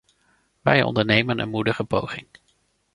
Wij ondernemen een moedige poging.